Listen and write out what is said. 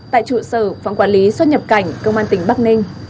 tại trụ sở phòng quản lý xuất nhập cảnh công an tỉnh bắc ninh